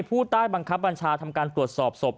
ผู้ใต้บังคับบัญชาทำการตรวจสอบศพ